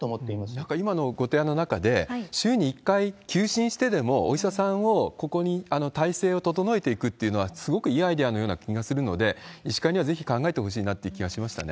なんか今のおことばの中で、週に１回休診してでも、お医者さんをここに体制を整えていくっていうのはすごくいいアイデアのような気がするので、医師会にはぜひ考えてほしいなっていう気はしましたね。